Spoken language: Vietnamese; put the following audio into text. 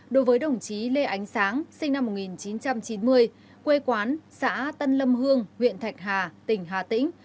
đối với đồng chí lê ánh sáng sinh năm một nghìn chín trăm chín mươi quê quán xã tân lâm hương huyện thạch hà tỉnh hà tĩnh